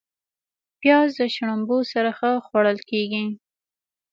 پیاز د شړومبو سره ښه خوړل کېږي